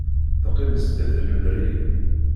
Teqqim sdat lemri.